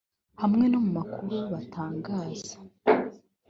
hamwe no mu makuru batangaza